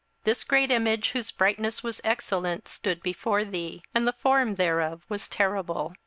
This great image, whose brightness was excellent, stood before thee; and the form thereof was terrible.